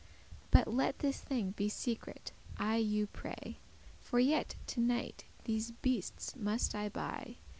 But let this thing be secret, I you pray; For yet to night these beastes must I buy.